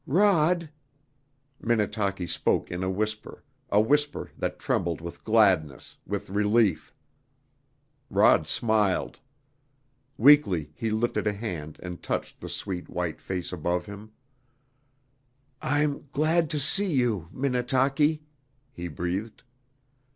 "Rod " Minnetaki spoke in a whisper, a whisper that trembled with gladness, with relief. Rod smiled. Weakly he lifted a hand and touched the sweet, white face above him. "I'm glad to see you Minnetaki " he breathed.